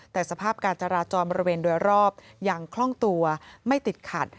แต่สภาพการจราจรบริเวณโดยรอบยังคล่องตัวไม่ติดขัด